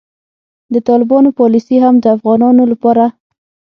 د طالبانو پالیسي هم د افغانانو لپاره